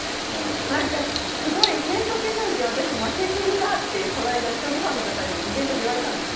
なんかすごい変則将棋私負け過ぎだってこないだ将棋ファンの方にイベントで言われたんですよ。